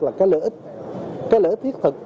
là cái lợi ích cái lợi ích thiết thực